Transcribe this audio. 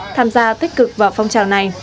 tham gia tích cực vào phong trào này